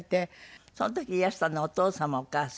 その時いらしたのはお父様お母様？